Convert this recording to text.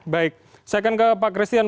baik saya akan ke pak christian